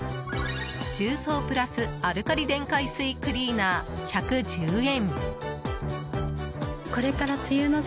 重曹＋アルカリ電解水クリーナー１１０円。